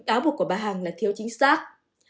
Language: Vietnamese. cáo buộc của bà hằng là thiếu chính xác